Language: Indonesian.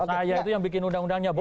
saya itu yang bikin undang undangnya